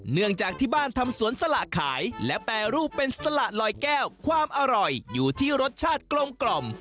เนื่องจากที่บ้านทำสวนสละขายและแปรรูปเป็นสละลอยแก้วความอร่อยอยู่ที่รสชาติกลม